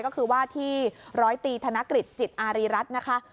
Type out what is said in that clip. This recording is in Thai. ก็คือว่าที่ร้อยตีธนกฤษจิตอารีรัฐนะคะ